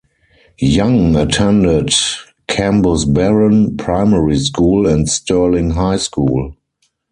Young attended Cambusbarron Primary School and Stirling High School.